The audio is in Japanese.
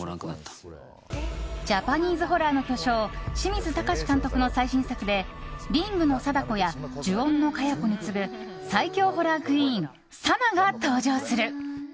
ジャパニーズホラーの巨匠清水崇監督の最新作で「リング」の貞子や「呪怨」の伽椰子に次ぐ最恐ホラークイーン、さなが登場する。